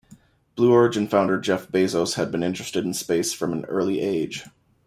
Blue Origin founder Jeff Bezos had been interested in space from an early age.